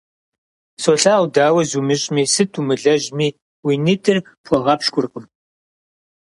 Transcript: Солъагъу, дауэ зумыщӀми, сыт умылэжьми уи нитӀыр пхуэгъэпщкӀуркъым.